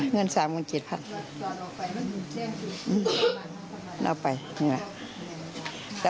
เงิน๓๗๐๐พันเอาไปนี่แหละ